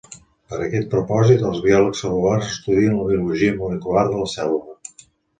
Per aquest propòsit, els biòlegs cel·lulars estudien la biologia molecular de la cèl·lula.